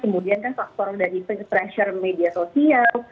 kemudian kan faktor dari pressure media sosial